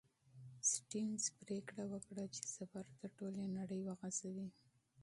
سټيونز پرېکړه وکړه چې سفر تر ټولې نړۍ وغځوي.